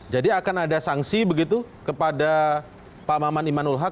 jadi akan ada sanksi begitu kepada pak maman imanul haq